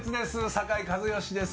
酒井一圭です。